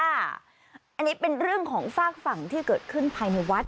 อันนี้เป็นเรื่องของฝากฝั่งที่เกิดขึ้นภายในวัด